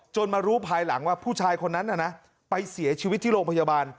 มารู้ภายหลังว่าผู้ชายคนนั้นน่ะนะไปเสียชีวิตที่โรงพยาบาล